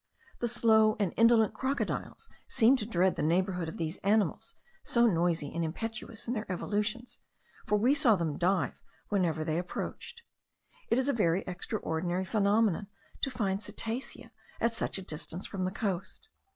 The slow and indolent crocodiles seem to dread the neighbourhood of these animals, so noisy and impetuous in their evolutions, for we saw them dive whenever they approached. It is a very extraordinary phenomenon to find cetacea at such a distance from the coast.